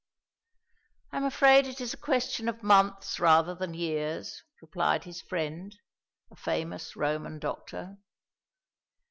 "I am afraid it is a question of months rather than years," replied his friend, a famous Roman doctor.